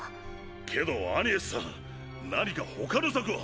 けどアニエスさん何か他の策は⁉